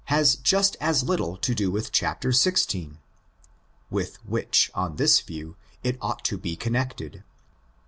has just as little to do with chapter xiv. (with which, on this view, it ought to be connected).